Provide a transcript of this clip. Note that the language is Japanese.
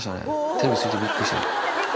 テレビついてびっくりしてる。